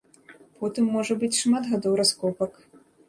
Потым можа быць шмат гадоў раскопак.